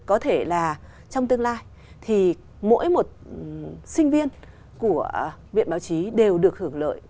có thể là trong tương lai thì mỗi một sinh viên của viện báo chí đều được hưởng lợi